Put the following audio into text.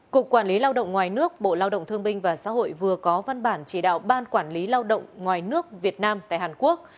cục quản lý lao động ngoài nước bộ lao động thương binh và xã hội vừa có văn bản chỉ đạo ban quản lý lao động ngoài nước việt nam tại hàn quốc